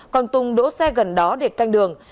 hằng tùng đỗ xe gần đó để canh đường